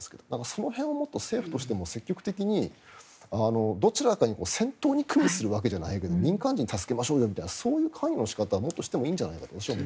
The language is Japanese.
その辺を政府としても積極的にどちらかに戦闘に与するわけじゃないけど民間人を助けましょうよみたいなそういう関与の仕方はしてもいいんじゃないかと。